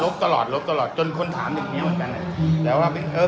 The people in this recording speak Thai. ลบตลอดลบตลอดจนคนถามที่นี้เหมือนกัน